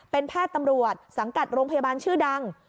เป็นแพทย์ตำรวจสังกัดโรงพยาบาลชื่อดัง